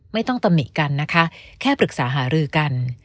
ตำหนิกันนะคะแค่ปรึกษาหารือกัน